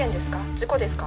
事故ですか？